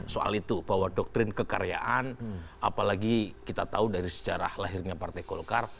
soal itu bahwa doktrin kekaryaan apalagi kita tahu dari sejarah lahirnya partai golkar